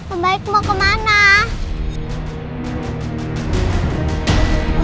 om baik mau kemana